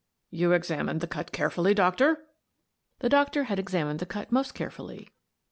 " You examined the cut carefully, doctor? " The doctor had examined the cut most carefully.